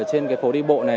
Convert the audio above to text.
trên cái phố đi bộ này